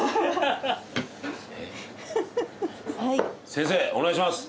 先生お願いします。